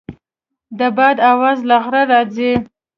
د باد اواز له غره راځي.